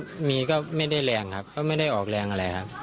ก็มีก็ไม่ได้แรงครับก็ไม่ได้ออกแรงอะไรครับ